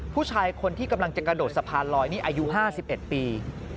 ผู้ชายคนที่กำลังจะกระโดดสะพานลอยนี่อายุ๕๑ปี